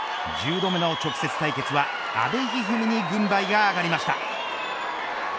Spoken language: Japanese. １０度目の直接対決は阿部一二三に軍配が上がりました。